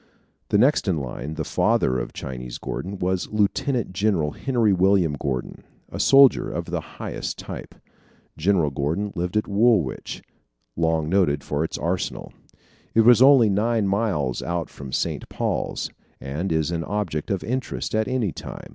The next in line, the father of Chinese Gordon, was Lieutenant General Henry William Gordon, a soldier of the highest type. General Gordon lived at Woolwich, long noted for its arsenal. It is only nine miles out from St. Paul's, and is an object of interest at any time.